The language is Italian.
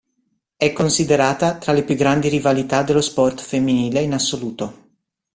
È considerata tra le più grandi rivalità dello sport femminile in assoluto.